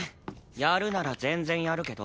やるなら全然やるけど。